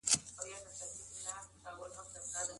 د خاوند اطاعت ولي په اسلام کي مهم دی؟